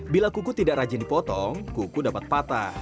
bila kuku tidak rajin dipotong kuku dapat patah